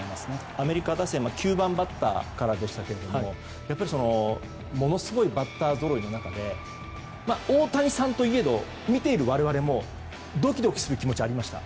アメリカ打線９番バッターからでしたがものすごいバッターぞろいの中で大谷さんといえど見ている我々もドキドキする気持ちがありました。